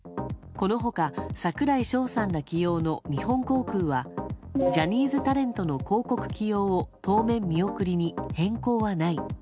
この他櫻井翔さんら起用の日本航空はジャニーズタレントの広告起用を当面見送りに変更はない。